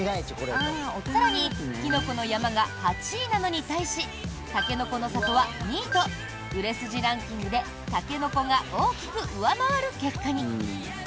更にきのこの山が８位なのに対したけのこの里は２位と売れ筋ランキングでたけのこが大きく上回る結果に。